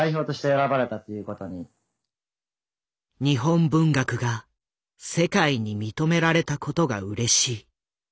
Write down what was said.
「日本文学が世界に認められたことがうれしい」。